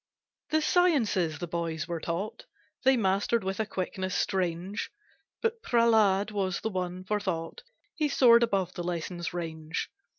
The sciences the boys were taught They mastered with a quickness strange, But Prehlad was the one for thought, He soared above the lesson's range.